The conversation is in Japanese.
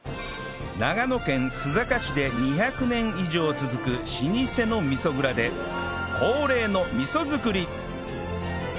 長野県須坂市で２００年以上続く老舗の味噌蔵で恒例の味噌づくり